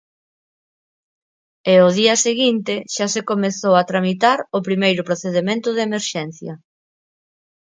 E ao día seguinte xa se comezou a tramitar o primeiro procedemento de emerxencia.